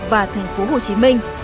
và thành phố hồ chí minh